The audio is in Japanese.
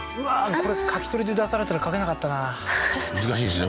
これ書き取りで出されたら書けなかったな難しいですね